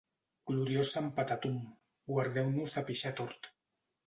Gloriós sant Patatum, guardeu-nos de pixar tort.